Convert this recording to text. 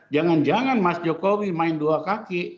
jangan jangan mas jokowi main dua kaki